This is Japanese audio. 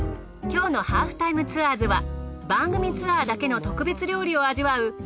きょうの『ハーフタイムツアーズ』は番組ツアーだけの特別料理を味わう